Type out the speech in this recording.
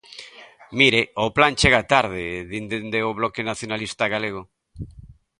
Mire, o plan chega tarde, din dende o Bloque Nacionalista Galego.